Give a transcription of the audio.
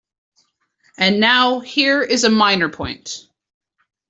And now here is a minor point.